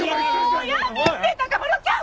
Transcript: もうやめて孝麿ちゃん！